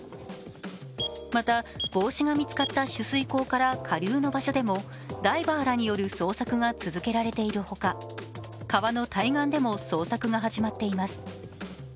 また、帽子が見つかった取水口から下流の場所でもダイバーらによる捜索が続けられている他、川の対岸でも捜索が始まっています。